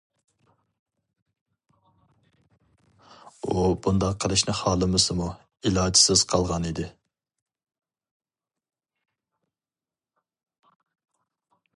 ئۇ بۇنداق قىلىشنى خالىمىسىمۇ ئىلاجسىز قالغان ئىدى.